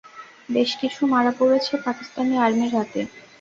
বেশ কিছু মারা পড়েছে পাকিস্তানি আর্মির হাতে।